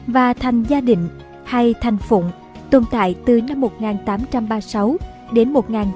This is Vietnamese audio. và thành gia đình hay thành phụng tồn tại từ năm một nghìn tám trăm ba mươi sáu đến một nghìn tám trăm năm mươi chín